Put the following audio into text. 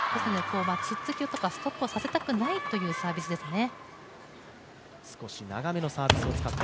ツッツキとかストップをさせたくないというサービスですね。